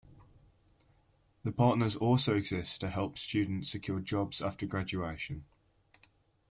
The partners also exist to help students secure jobs after graduation.